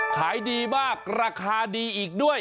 ขายดีมากราคาดีอีกด้วย